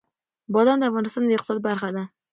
بادام د افغانستان د اقتصاد برخه ده.